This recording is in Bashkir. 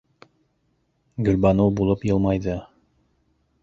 Гөлбаныу булып йылмайҙы...